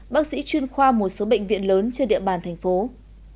bác sĩ chuyên khoa một số bệnh viện lớn trên địa bàn tp hcm